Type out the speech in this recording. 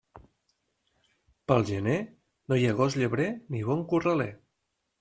Pel gener no hi ha gos llebrer ni bon corraler.